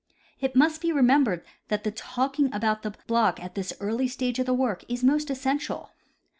It must be remembered that the talking about this block at this early stage of the work is most essential.